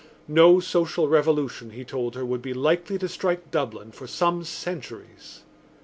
No social revolution, he told her, would be likely to strike Dublin for some centuries.